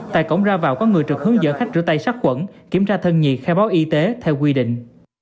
tại cổng ra vào có người trực hướng dẫn khách rửa tay sát quẩn kiểm tra thân nhiệt khai báo y tế theo quy định